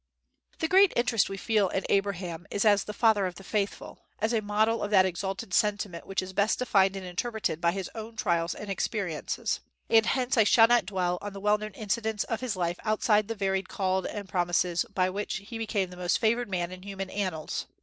The great interest we feel in Abraham is as "the father of the faithful," as a model of that exalted sentiment which is best defined and interpreted by his own trials and experiences; and hence I shall not dwell on the well known incidents of his life outside the varied calls and promises by which he became the most favored man in human annals.